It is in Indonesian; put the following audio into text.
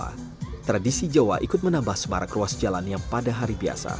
tradisi jawa ikut menambah semarak ruas jalan yang pada hari biasa